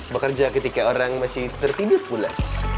bekerja ketika orang masih tertidur pulas